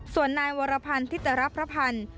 ส่วนนายวรพันธ์ทิจรพระพันธ์